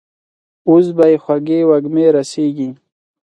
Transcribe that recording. اوس به يې خوږې وږمې رسېږي.